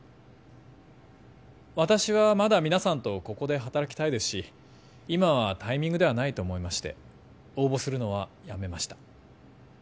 私はまだ皆さんとここで働きたいですし今はタイミングではないと思いまして応募するのはやめました